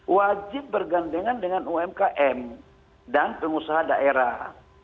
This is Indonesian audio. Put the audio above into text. wajib bergandengan dengan umkm dan pengusaha daerah